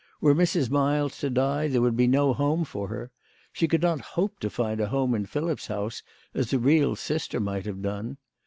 Were Mrs. Miles to die there would be no home for her. She could not hope to find a home in Philip's house as a real sister might have done.